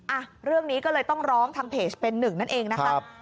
อ่ะเรื่องนี้ก็เลยต้องร้องทางเพจเป็นหนึ่งนั่นเองนะครับ